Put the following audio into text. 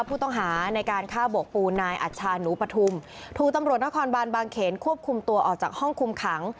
ผู้ต้องหาในการฆ่าโบกปูนายอัชชาหนูปฐุมถูกตำรวจนครบานบางเขนควบคุมตัวออกจากห้องคุมขัง